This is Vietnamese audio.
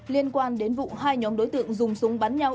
liên quan đến vụ hai nhóm đối tượng dùng súng bắn nhau